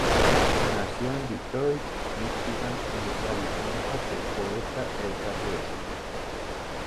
Nació en Detroit, Míchigan y es la bisnieta del poeta Edgar Guest.